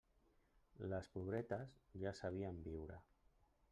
Les pobretes ja sabien viure.